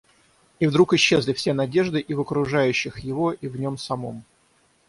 И вдруг исчезли все надежды и в окружающих его и в нем самом.